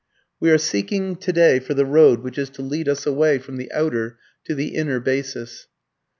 We are seeking today for the road which is to lead us away from the outer to the inner basis.